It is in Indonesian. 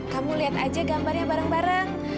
kamu lihat aja gambarnya bareng bareng